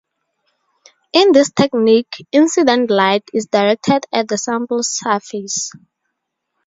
In this technique, incident light is directed at the sample's surface.